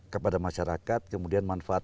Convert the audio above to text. kepada masyarakat kemudian manfaat